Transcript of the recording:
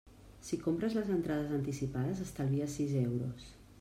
Si compres les entrades anticipades estalvies sis euros.